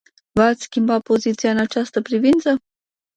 V-ați schimbat poziția în această privință?